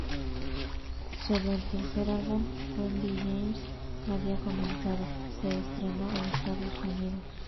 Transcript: Sobre el tercer álbum, Wendy James había comentado ""...se estrenó en Estados Unidos.